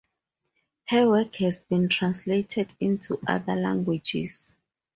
Her work has been translated into other languages.